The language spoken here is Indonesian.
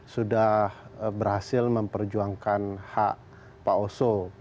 sudah berhasil memperjuangkan hak pak oso